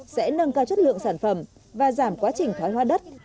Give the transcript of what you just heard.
sẽ nâng cao chất lượng sản phẩm và giảm quá trình thoái hoa đất